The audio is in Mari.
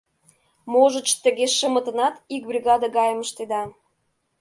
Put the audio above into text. — Можыч, тыге: шымытынат ик бригаде гайым ыштеда?